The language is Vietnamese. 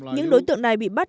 những đối tượng này bị bắt